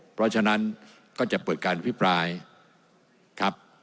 เพราะฉะนั้นก็จะเปิดการอภิปรายครับ